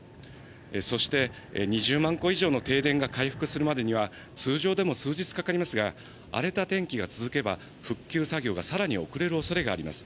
そして２０万戸以上の停電が回復するまでには通常でも数日かかりますが、荒れた天気が続けば、復旧作業がさらに遅れるおそれがあります。